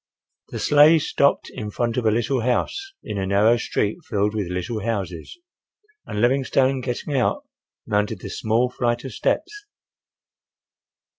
The sleigh stopped in front of a little house, in a narrow street filled with little houses, and Livingstone getting out mounted the small flight of steps.